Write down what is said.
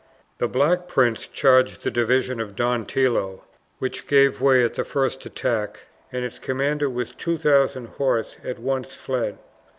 The Black Prince charged the division of Don Tillo, which gave way at the first attack, and its commander, with 2000 horse, at once fled.